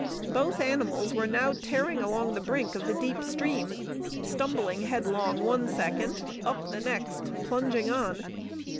Both animals were now tearing along the brink of the deep stream, stumbling headlong one second, up the next, plunging on.